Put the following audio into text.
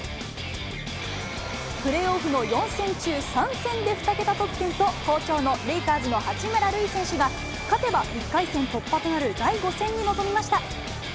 プレーオフの４戦中３戦で２桁得点と、好調のレイカーズの八村塁選手が、勝てば１回戦突破となる第５戦に臨みました。